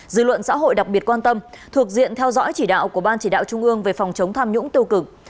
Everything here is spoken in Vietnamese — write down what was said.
dư luận xã hội đặc biệt quan tâm thuộc diện theo dõi chỉ đạo của ban chỉ đạo trung ương về phòng chống tham nhũng tiêu cực